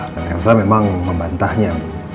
dan elsa memang membantahnya